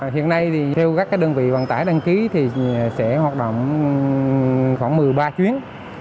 hiện nay thì theo các đơn vị vận tải đăng ký thì sẽ hoạt động khoảng một mươi ba chuyến